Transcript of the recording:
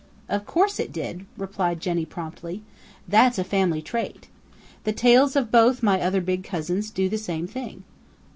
"Of course it did," replied Jenny promptly. "That's a family trait. The tails of both my other big cousins do the same thing."